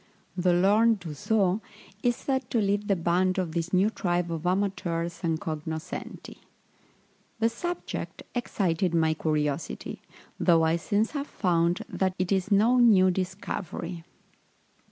The learned Dusaux is said to lead the band of this new tribe of amateurs and cognoscenti. The subject excited my curiosity, though I since have found that it is no new discovery.